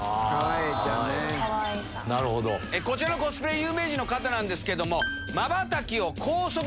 こちらのコスプレ有名人の方ですけど。